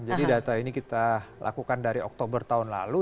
jadi data ini kita lakukan dari oktober tahun lalu